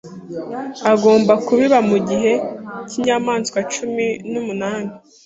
agomba kubibiba mu gihe cy’imyaka cumi numunani